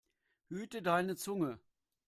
Hüte deine Zunge!